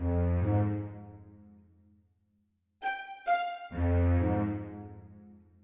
gak ada visa baju